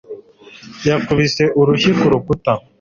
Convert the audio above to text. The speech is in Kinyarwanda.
yakubise urushyi ku rukuta